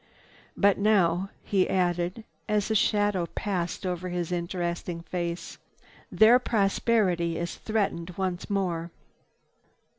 "But now," he added as a shadow passed over his interesting face, "their prosperity is threatened once more."